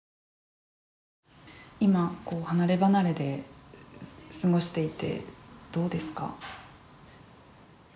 今、離ればなれで過ごしていてどうですか。